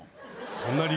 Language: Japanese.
そんな理由？